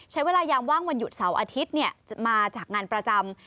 ยามว่างวันหยุดเสาร์อาทิตย์มาจากงานประจำ